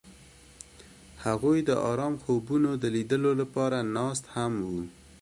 هغوی د آرام خوبونو د لیدلو لپاره ناست هم وو.